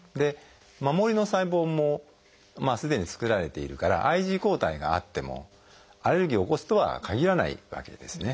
守りの細胞もすでに作られているからＩｇＥ抗体があってもアレルギーを起こすとはかぎらないわけですね。